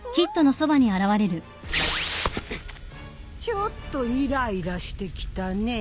ちょっとイライラしてきたね。